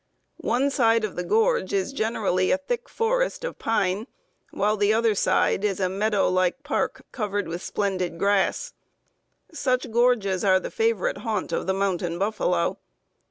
One side of the gorge is generally a thick forest of pine, while the other side is a meadow like park, covered with splendid grass. Such gorges are the favorite haunt of the mountain buffalo.